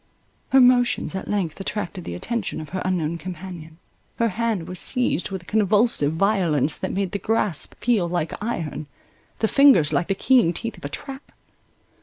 Her motions at length attracted the attention of her unknown companion; her hand was seized with a convulsive violence that made the grasp feel like iron, the fingers like the keen teeth of a trap.